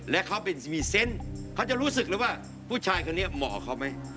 และเขาเป็นมีเซนต์เขาจะรู้สึกเลยว่าผู้ชายคนนี้เหมาะเขาไหม